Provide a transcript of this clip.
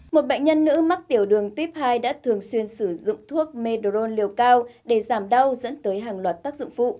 một bệnh nhân nữ mắc tiểu đường tuyếp hai đã thường xuyên sử dụng thuốc metro liều cao để giảm đau dẫn tới hàng loạt tác dụng phụ